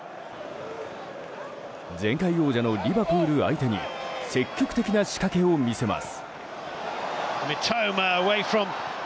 前回王者のリバプール相手に積極的な仕掛けを見せます。